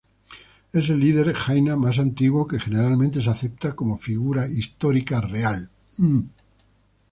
Es el líder jaina más antiguo que generalmente se acepta como figura histórica real.